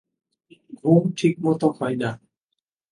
ঘুম ঠিকমত হয় না।